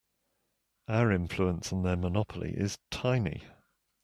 Our influence on their monopoly is tiny.